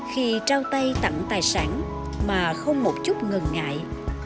khi trao tay tặng tài sản mà không một chút ngừng ngại